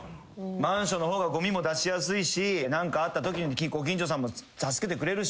マンションの方がごみも出しやすいし何かあったときにご近所さんも助けてくれるし